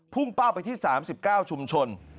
เป้าไปที่๓๙ชุมชน